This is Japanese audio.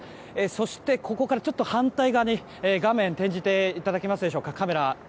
そしてここから反対側に画面転じていただけますでしょうか。